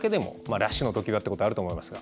ラッシュのときはってことはあると思いますが。